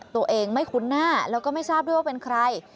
ตัวเองไม่คุ้นหน้าแล้วก็ไม่ทราบด้วยว่าเป็นใคร